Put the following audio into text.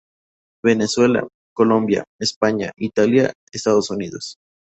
Venezuela, Colombia, España, Italia, Estados Unidos.